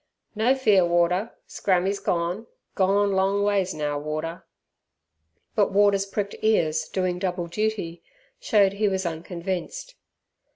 "No fear, Warder! Scrammy's gone, gone long ways now, Warder!" But Warder's pricked cars doing double duty showed he was unconvinced.